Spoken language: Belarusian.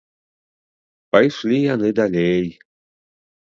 Пайшлі яны далей